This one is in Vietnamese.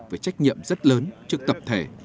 với trách nhiệm rất lớn trước tập thể